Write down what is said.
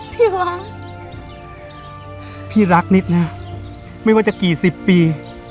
หวังพี่รักนิดนะไม่ว่าจะกี่สิบปี